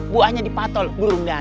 buahnya dipatol gurung darah